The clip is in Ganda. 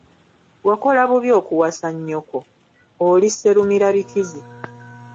Wakola bubi okuwasa nnyoko, oli Sserumira-bikizi.